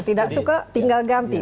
tidak suka tinggal ganti